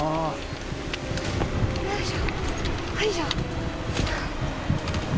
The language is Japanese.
よいしょ。